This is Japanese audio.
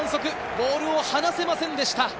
ボールを離せませんでした。